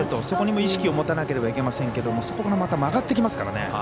そこにも意識を持たなければなりませんがそこからまた曲がってきますから。